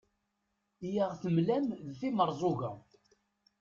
i aɣ-temlam d timerẓuga